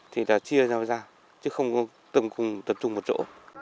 thì là chia rau ra chứ không từng cùng tập trung một chỗ